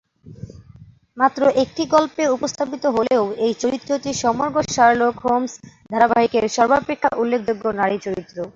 মাত্র একটি গল্পে উপস্থাপিত হলেও এই চরিত্রটি সমগ্র শার্লক হোমস ধারাবাহিকের সর্বাপেক্ষা উল্লেখযোগ্য নারী চরিত্র।